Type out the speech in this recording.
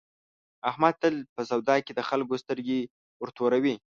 احمد تل په سودا کې د خلکو سترګې ورتوروي.